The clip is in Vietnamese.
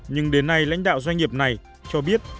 nhưng đến nay lãnh đạo doanh nghiệp này cho biết